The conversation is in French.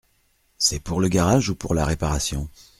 C’est pour le garage ou pour la réparation ?